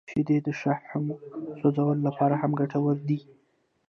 • شیدې د شحمو سوځولو لپاره هم ګټورې دي.